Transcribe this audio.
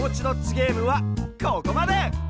ゲームはここまで！